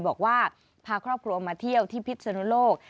บอกว่าพาครอบครัวมาเที่ยวที่พิษนุโลก